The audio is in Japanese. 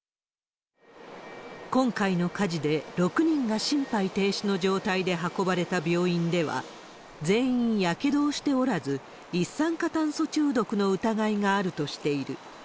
今回の火事で、６人が心肺停止の状態で運ばれた病院では、全員やけどをしておらず、一酸化炭素中毒の疑いがあるとしている。